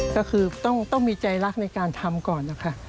ก็คือต้องมีใจรักในการทำก่อนนะคะ